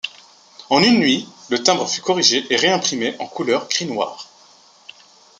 En une nuit, le timbre fut corrigé et réimprimé en couleur gris-noir.